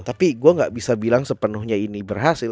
tapi gue gak bisa bilang sepenuhnya ini berhasil